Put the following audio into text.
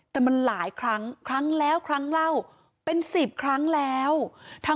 คือก่อนหน้านี้ทางร้านเขาเรียกค่าเสียหายเท่ากับราคาของที่ขโมยไป